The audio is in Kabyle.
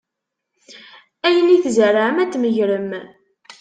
Ayen i tzerεem ad t-tmegrem.